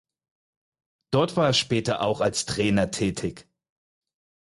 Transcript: Dort war er später auch als Trainer tätig.